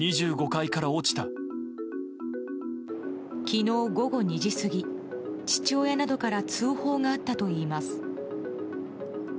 昨日、午後２時過ぎ父親などから通報があったといいます。